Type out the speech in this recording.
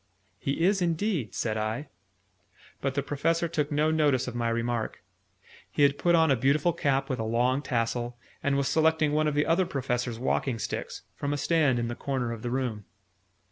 "He is indeed," said I. But the Professor took no notice of my remark. He had put on a beautiful cap with a long tassel, and was selecting one of the Other Professor's walking sticks, from a stand in the corner of the room.